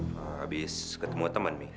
habis ketemu teman